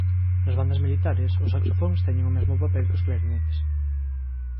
Nas bandas militares os saxofóns teñen o mesmo papel que os clarinetes.